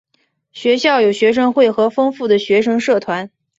学校有学生会和丰富的学生社团。